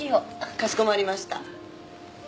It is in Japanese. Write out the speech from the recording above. かしこまりました。